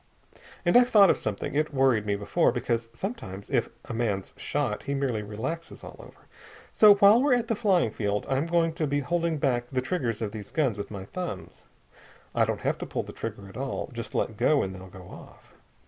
"And I've thought of something. It worried me, before, because sometimes if a man's shot he merely relaxes all over. So while we're at the flying field I'm going to be holding back the triggers of these guns with my thumbs. I don't have to pull the trigger at all just let go and they'll go off.